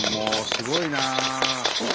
すごいな。